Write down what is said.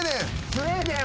スウェーデン！